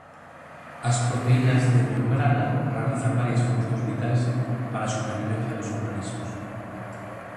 As proteínas de membrana realizan varias funcións vitais para a supervivencia dos organismos.